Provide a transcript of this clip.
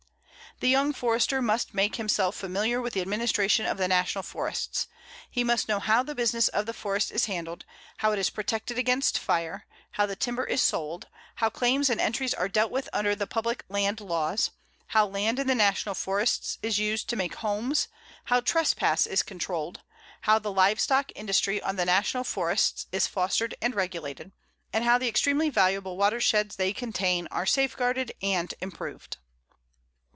The young Forester must make himself familiar with the administration of the National Forests. He must know how the business of the forest is handled, how it is protected against fire, how the timber is sold, how claims and entries are dealt with under the public land laws, how land in the National Forests is used to make homes, how trespass is controlled, how the livestock industry on the National Forests is fostered and regulated, and how the extremely valuable watersheds they contain are safeguarded and improved.